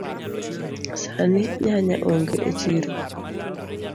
Sani nyanya onge echiro.